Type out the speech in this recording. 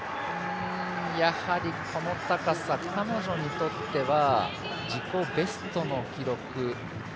やはりこの高さ彼女にとっては自己ベストの記録